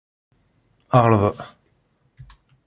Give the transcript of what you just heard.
Erḍ.